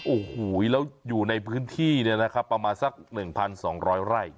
โอ้โหแล้วอยู่ในพื้นที่เนี้ยนะคะประมาณสักหนึ่งพันสองร้อยไร่